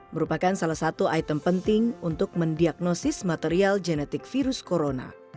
merupakan salah satu item penting untuk mendiagnosis material genetik virus corona